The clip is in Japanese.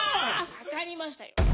分かりました。